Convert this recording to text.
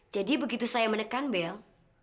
jadi begitu saya menekan bel